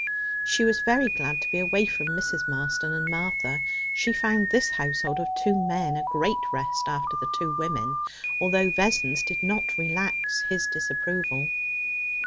She was very glad to be away from Mrs. Marston and Martha. She found this household of two men a great rest after the two women, although Vessons did not relax his disapproval.